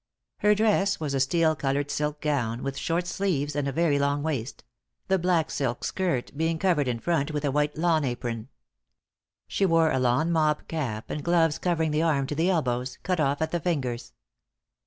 Her dress was a steel colored silk gown, with short sleeves and very long waist; the black silk skirt being covered in front with a white lawn apron. She wore a lawn mob cap, and gloves covering the arm to the elbows, cut off at the fingers.